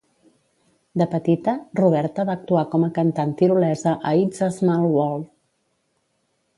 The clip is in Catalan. De petita, Roberta va actuar com a cantant tirolesa a "It's a Small World".